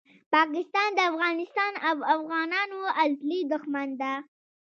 پاکستان دافغانستان او افغانانو ازلي دښمن ده